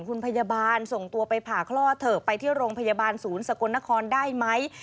คุณพยาบาลส่งตัวไปผ่าคลอดเถอะไปที่โรงพยาบาลศูนย์สกลนครได้ไหม